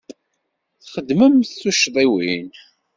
Txedmemt tuccḍiwin.